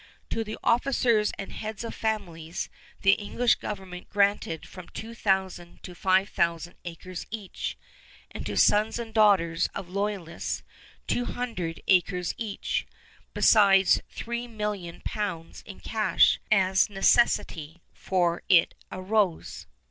To the officers and heads of families the English government granted from two thousand to five thousand acres each, and to sons and daughters of Loyalists two hundred acres each, besides 3,000,000 pounds in cash, as necessity for it arose.